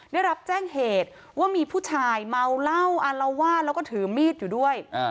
ได้รับแจ้งเหตุว่ามีผู้ชายเมาเหล้าอารวาสแล้วก็ถือมีดอยู่ด้วย